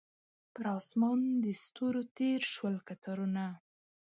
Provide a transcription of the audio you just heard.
پر اسمان د ستورو تیر شول کتارونه